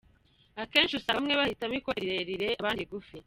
Akenshi usanga bamwe bahitamo ikote rirerire, abandi irigufi.